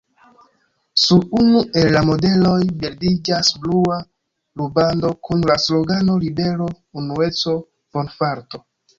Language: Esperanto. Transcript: Sur unu el la modeloj bildiĝas blua rubando kun la slogano "libero, unueco, bonfarto".